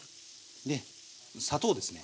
砂糖ですね。